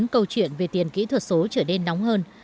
câu chuyện về tiền kỹ thuật số trở nên nóng hơn